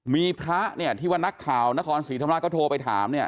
มีพระที่ว่านักข่าวนครศรีธรรมราชก็โทรไปถาม